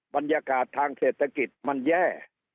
บรรยากาศทางเศรษฐกิจมันแย่